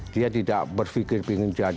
dia tidak berpikir ingin